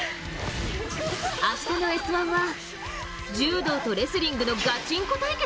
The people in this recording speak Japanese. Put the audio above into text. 明日の「Ｓ☆１」は柔道とレスリングのガチンコ対決？